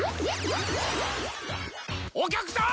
お客さん！